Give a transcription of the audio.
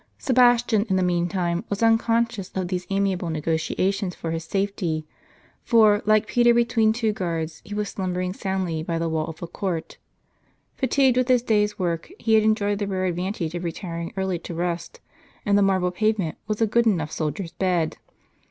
Sebastian, in the meantime, was unconscious of these amiable negotiations for his safety; for, like Peter between two guards, he was slumbering soundly by the wall of the court. Fatigued with his day's work, he had enjoyed the rare advantage of retiring early to rest ; and the marble pave ment was a good enough soldier's bed.